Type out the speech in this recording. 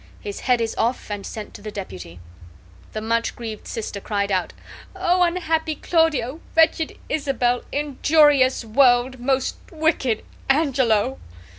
His head is off and sent to the deputy." The much grieved sister cried out, "O unhappy Claudio, wretched Isabel, injurious world, most wicked Angelo!"